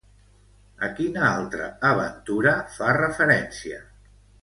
A quina altra aventura fa referència?